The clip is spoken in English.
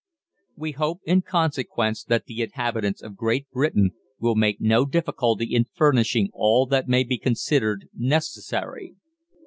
WE HOPE IN CONSEQUENCE that the inhabitants of Great Britain will make no difficulty in furnishing all that may be considered necessary.